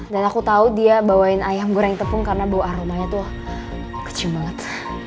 dan aku tau dia bawain ayam goreng tepung karena bau aromanya tuh kecium banget